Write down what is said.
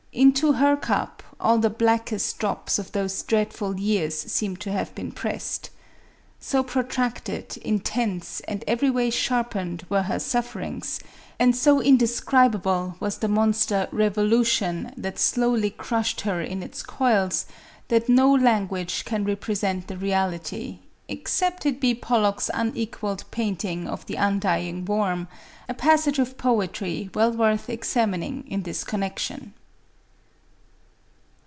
Into her cup, all the blackest drops of those dreadful years seem to have been pressed. So protracted, in tense and every way sharpened were her sufferings, and so indescribable was the monster Eevolution that slowly crushed her in its coils, that no language can represent the reality, except it be Pollok's unequalled painting of the Undying Worm — a passage of poetry well worth examining in this connection.